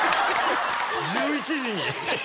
１１時に。